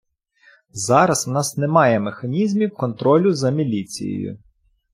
Зараз в нас немає механізмів контролю за міліцією.